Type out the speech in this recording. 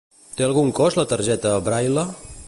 Té algun cost la targeta Braille?